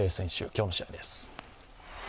今日の試合です。